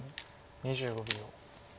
２５秒。